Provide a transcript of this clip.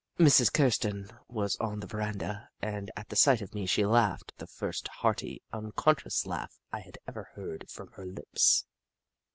Mrs. Kirsten was on the veranda, and at the sight of me she laughed the first hearty, unconscious laugh I had ever heard from her lips.